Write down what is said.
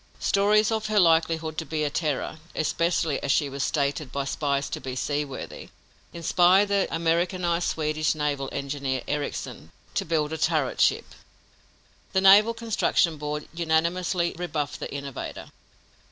Stories of her likelihood to be a terror, especially as she was stated by spies to be seaworthy, inspired the Americanized Swedish naval engineer, Ericsson, to build a turret ship. The Naval Construction Board unanimously rebuffed the innovator.